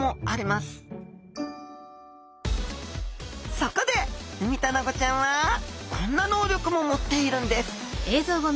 そこでウミタナゴちゃんはこんな能力も持っているんです！